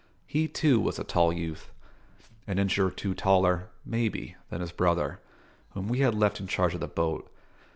He too was a tall youth; an inch or two taller, maybe, than his brother, whom we had left in charge of the boat.